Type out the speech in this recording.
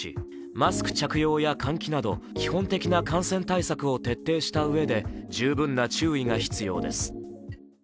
マスク着用や換気など基本的な感染対策をしたうえで十分な注意が必要です。